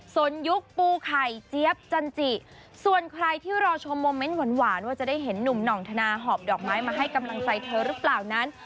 ส่วนยุคปูไข่เจี๊ยบจันจิส่วนใครที่รอชมโมเมนต์หวานว่าจะได้เห็นหนุ่มหน่องธนาหอบดอกไม้มาให้กำลังใจเธอหรือเปล่านั้น